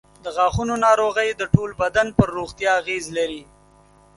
د غاښونو ناروغۍ د ټول بدن پر روغتیا اغېز لري.